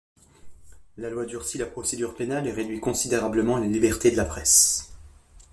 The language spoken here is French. La loi durcit la procédure pénale et réduit considérablement la liberté de la presse.